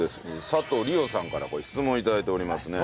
佐藤理央さんからご質問を頂いておりますね。